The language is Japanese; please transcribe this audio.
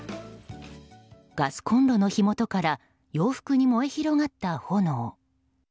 ガスコンロの火元から洋服に燃え広がった炎。